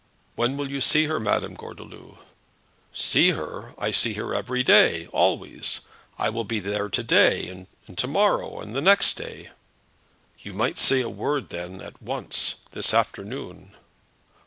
"When will you see her, Madame Gordeloup?" "See her! I see her every day, always. I will be there to day, and to morrow, and the next day." "You might say a word then at once, this afternoon."